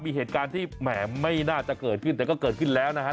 มีเหตุการณ์ที่แหมไม่น่าจะเกิดขึ้นแต่ก็เกิดขึ้นแล้วนะฮะ